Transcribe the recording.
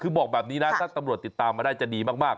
คือบอกแบบนี้นะถ้าตำรวจติดตามมาได้จะดีมาก